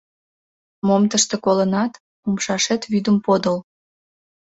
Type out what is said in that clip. Мом тыште колынат — умшашет вӱдым подыл.